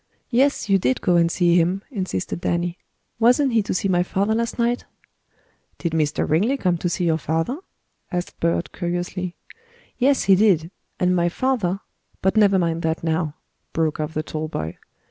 "Yes, you did go and see him," insisted Danny. "Wasn't he to see my father last night?" "Did Mr. Ringley come to see your father?" asked Bert curiously. "Yes, he did. And my father but never mind that now," broke off the tall boy.